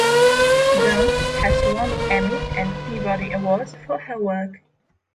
Jones has won Emmy and Peabody awards for her work.